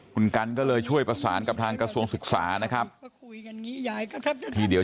คุณกันก็เลยช่วยประสานกับทางกระทรวงศึกษานะครับทีเดียว